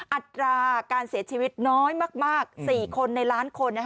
อัตราการเสียชีวิตน้อยมาก๔คนในล้านคน